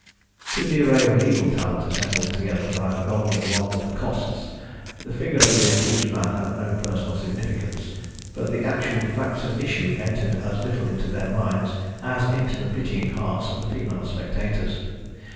To the array of legal talent assembled together by the golden wand of Costs the figure of the accused man had no personal significance but the actual facts at issue entered as little into their minds as into the pitying hearts of the female spectators.